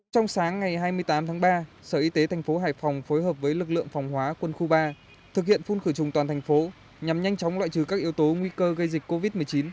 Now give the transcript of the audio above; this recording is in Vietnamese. trong sáng ngày hai mươi tám tháng ba sở y tế thành phố hải phòng phối hợp với lực lượng phòng hóa quân khu ba thực hiện phun khử trùng toàn thành phố nhằm nhanh chóng loại trừ các yếu tố nguy cơ gây dịch covid một mươi chín